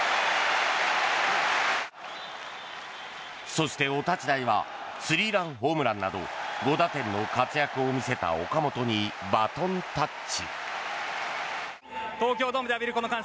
そして、お立ち台はスリーランホームランなど５打点の活躍を見せた岡本にバトンタッチ。